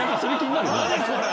何これ！？